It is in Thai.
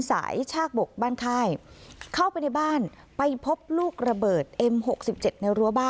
สายชา๐๙บ้านคลายเข้าไปในบ้านไปพบลูกละเบิดเอ็มหกสิบเจ็ด